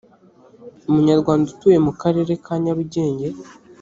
umunyarwanda utuye mu karere ka nyarugenge